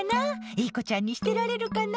いい子ちゃんにしてられるかな？